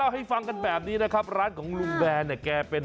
น่าให้ฟังกันแบบนี้นะครับร้านของลุงแบร์นมันนะคะ